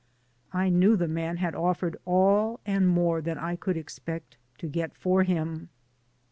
I knew the man had offered all and more than I could expect to get for him.